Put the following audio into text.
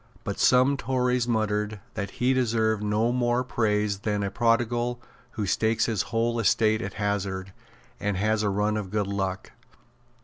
But some Tories muttered that he deserved no more praise than a prodigal who stakes his whole estate at hazard, and has a run of good luck.